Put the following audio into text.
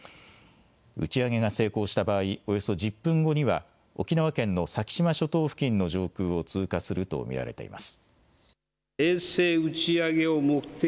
打ち上げが成功した場合、およそ１０分後には沖縄県の先島諸島付近の上空を通過すると見られています。